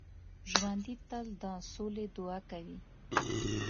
ژوندي تل د سولې دعا کوي